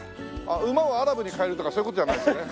馬をアラブに変えるとかそういう事じゃないですよね。